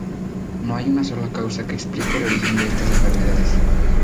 No hay una sola causa que explique el origen de estas enfermedades.